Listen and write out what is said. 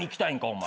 お前。